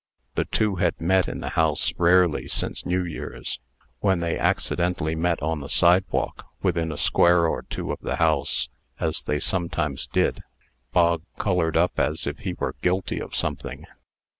The two had met in the house rarely since New Year's. When they accidentally met on the sidewalk, within a square or two of the house, as they sometimes did, Bog colored up as if he were guilty of something.